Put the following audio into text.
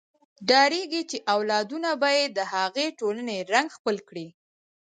ډارېږي چې اولادونه به یې د هغې ټولنې رنګ خپل کړي.